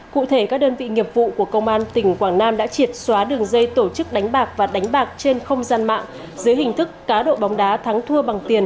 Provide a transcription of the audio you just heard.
cụ thể các đơn vị nghiệp vụ của công an tỉnh quảng nam đã triệt xóa đường dây tổ chức đánh bạc và đánh bạc trên không gian mạng dưới hình thức cá độ bóng đá thắng thua bằng tiền